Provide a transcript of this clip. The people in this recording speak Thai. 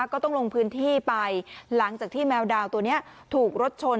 ก็ต้องลงพื้นที่ไปหลังจากที่แมวดาวตัวนี้ถูกรถชน